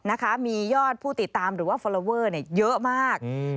นะคะมียอดผู้ติดตามหรือว่าฟอลลอเวอร์เนี่ยเยอะมากอืม